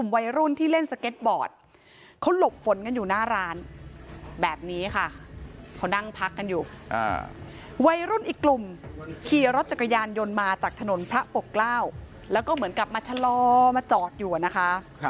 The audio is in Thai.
วัยรุ่นอีกกลุ่มขี่รถจักรยานยนต์มาจากถนนพระปกเกล้าแล้วก็เหมือนกลับมาชะลอมาจอดอยู่นะคะ